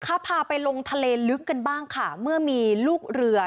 พาไปลงทะเลลึกกันบ้างค่ะเมื่อมีลูกเรือ